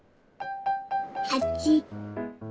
８。